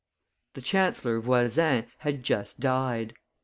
The chancellor, Voysin, had just died.